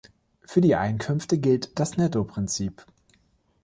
Für die Einkünfte gilt das Nettoprinzip.